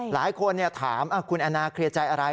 หลายคนถามคุณแอนนาเคลียร์ใจอะไร